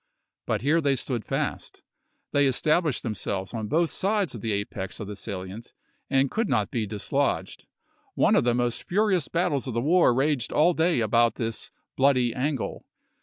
But here they stood fast. They established themselves on both sides of the apex of the salient, and could not be dislodged. One of the most furious battles of the war raged all day about this "bloody angle."